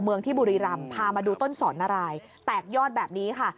เมืองที่บุรีรำพามาดูต้นสอนนารายแตกยอดแบบนี้ค่ะ